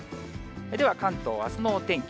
では関東、あすのお天気。